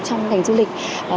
trong ngành du lịch